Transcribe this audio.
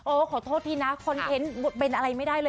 ขอโทษทีนะคอนเทนต์เป็นอะไรไม่ได้เลย